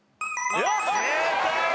正解！